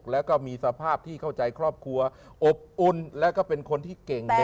แล้วก็มีสภาพที่เข้าใจครอบครัวอบอุ่นแล้วก็เป็นคนที่เก่ง